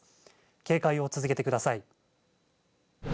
警戒を続けてください。